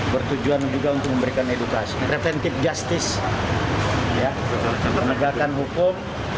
bertujuan juga untuk memberikan edukasi preventive justice penegakan hukum